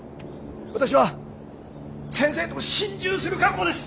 私は先生と心中する覚悟です！